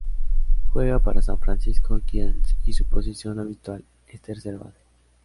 Juega para San Francisco Giants y su posición habitual es tercera base.